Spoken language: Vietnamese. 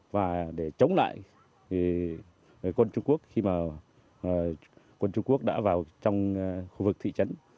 và để chống lại quân trung quốc khi mà quân trung quốc đã vào trong khu vực thị trấn